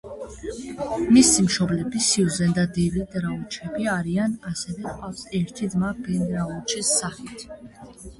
მისი მშობლები სიუზენ და დევიდ რაუჩები არიან, ასევე ჰყავს ერთი ძმა, ბენ რაუჩის სახით.